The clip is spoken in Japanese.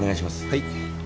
はい。